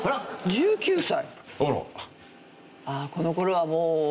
１９歳。